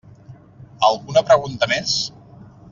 Alguna pregunta més?